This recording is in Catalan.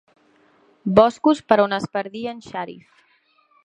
Boscos per on es perdia en Shariff.